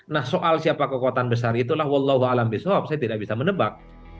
nah soal siapa kekuatan besar itulah wallawa alam biswab saya tidak bisa menebak